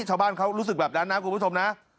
ชาวบ้านเขารู้สึกแบบนั้นนะคุณผู้ชมนะ